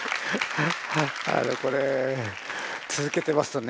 あのこれ続けてますとね